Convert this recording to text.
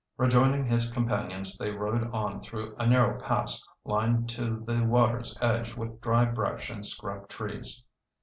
Rejoining his companions, they rowed on through a narrow pass lined to the water's edge with dry brush and scrub trees.